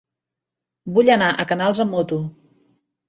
Vull anar a Canals amb moto.